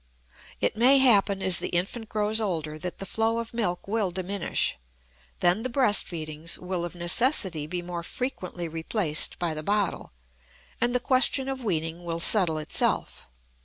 It may happen as the infant grows older that the flow of milk will diminish; then the breast feedings will of necessity be more frequently replaced by the bottle, and the question of weaning will settle itself.